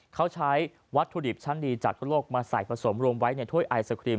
เขาใช้วัตถุดิบชั้นดีจากทั่วโลกมาใส่ผสมรวมไว้ในถ้วยไอศครีม